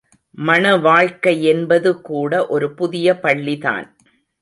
மண வாழ்க்கை என்பது கூட ஒரு புதிய பள்ளிதான்.